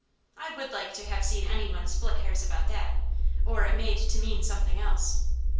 I would like to have seen any one split hairs about that, or it made to mean something else.